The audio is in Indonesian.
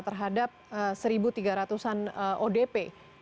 terhadap satu tiga ratus an odp